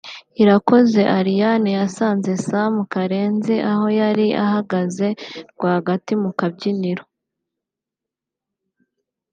Irakoze Ariane yasanze Sam Karenzi aho yari ahagaze rwagati mu kabyiniro